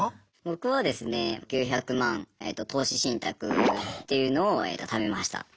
僕はですね９００万えと投資信託っていうのを貯めました。